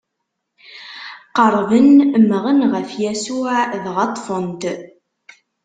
Qerrben, mmɣen ɣef Yasuɛ dɣa ṭṭfen-t.